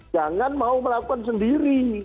jangan mau melakukan sendiri